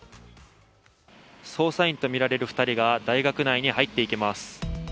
捜査員とみられる２人が大学内に入っていきます。